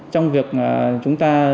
trong việc chúng ta